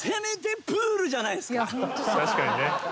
確かにね。